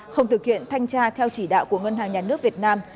không thực hiện thanh tra theo chỉ đạo của ngân hàng nhà nước việt nam